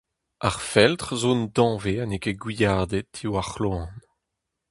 Ar feltr zo un danvez ha n'eo ket gwiadet, diwar c'hloan.